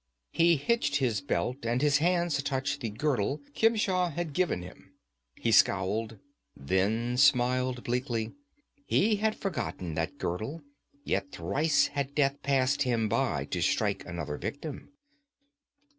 He hitched his belt, and his hands touched the girdle Khemsa had given him; he scowled, then smiled bleakly. He had forgotten that girdle; yet thrice had death passed him by to strike another victim.